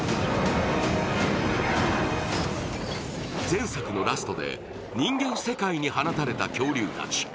前作のラストで人間世界に放たれた恐竜たち。